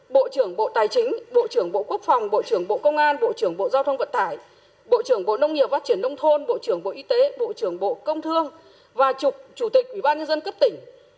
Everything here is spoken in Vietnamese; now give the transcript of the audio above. bộ trưởng bộ tài chính bộ trưởng bộ quốc phòng bộ trưởng bộ công an bộ trưởng bộ giao thông vận tải bộ trưởng bộ nông nghiệp phát triển nông thôn bộ trưởng bộ y tế bộ trưởng bộ công thương và trục chủ tịch ủy ban nhân dân cấp tỉnh